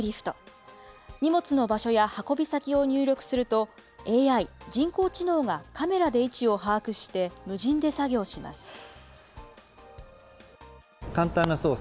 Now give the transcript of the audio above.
荷物の場所や運び先を入力すると、ＡＩ・人工知能がカメラで位置を把握して、無人で作業します。